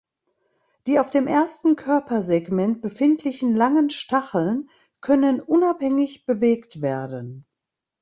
Die auf dem ersten Körpersegment befindlichen langen Stacheln können unabhängig bewegt werden.